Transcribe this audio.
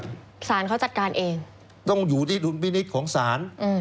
สารเขาจัดการเองต้องอยู่ที่ธุรกิจของสารอืม